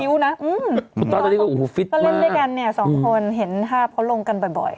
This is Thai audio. พี่ตอทด้วยก็ฟิตมากเลยก็เล่นด้วยกันสองคนเห็นภาพเขาลงกันบ่อย